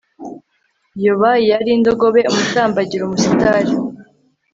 yoba yari indogobe, umutambagiro, umusitari